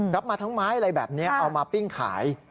รับมาทั้งไม้อะไรแบบนี้เอามาปิ้งขาย